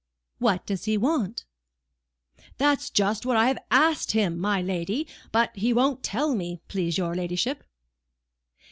"What does he want?" "That's just what I have asked him, my lady, but he won't tell me, please your ladyship."